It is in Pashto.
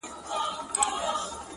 • زه ستا سیوری لټومه ,